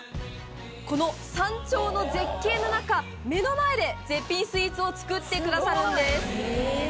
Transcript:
この山頂の絶景の中目の前で絶品スイーツを作ってくださるんです。